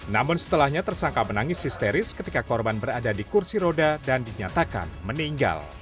namun setelahnya tersangka menangis histeris ketika korban berada di kursi roda dan dinyatakan meninggal